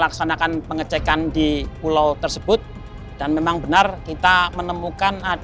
dapat kabar kalau ternyata aldebaran ditemukan ma